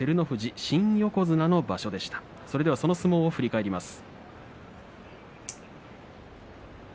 その相撲を振り返ります。